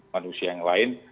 manusia yang lain